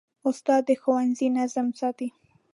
استاد د ښوونځي نظم ساتي.